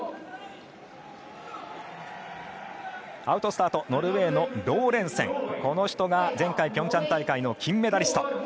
アウトスタート、ノルウェーのローレンセンこの人が、前回ピョンチャン大会金メダリスト。